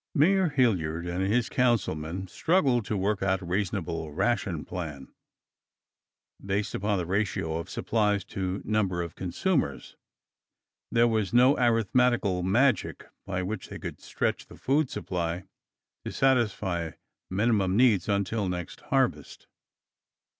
Mayor Hilliard and his councilmen struggled to work out a reasonable ration plan, based upon the ratio of supplies to number of consumers. There was no arithmetical magic by which they could stretch the food supply to satisfy minimum needs until next harvest.